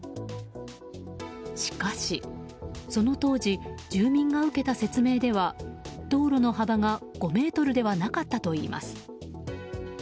しかし、その当時住民が受けた説明では道路の幅が５ｍではなかったといいます。